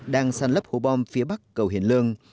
đang san lấp hố bom phía bắc cầu hiền lương